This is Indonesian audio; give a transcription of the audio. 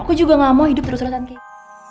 aku juga gak mau hidup terus terusan kek